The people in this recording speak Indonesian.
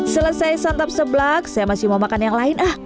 selesai santap sebelak saya masih mau makan yang lain